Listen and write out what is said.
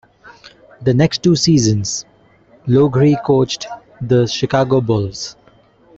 The next two seasons, Loughery coached the Chicago Bulls.